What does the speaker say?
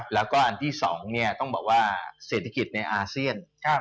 แล้วก็อันที่๒ต้องบอกว่าเศรษฐกิจในอาเซียน